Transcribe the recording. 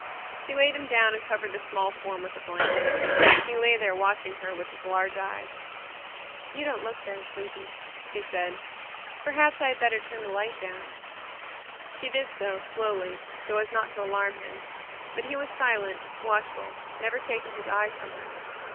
She laid him down and covered the small form with a blanket. He lay there watching her with his large eyes. "You don't look very sleepy," she said. "Perhaps I had better turn the light down." She did so, slowly, so as not to alarm him. But he was silent, watchful, never taking his eyes from her.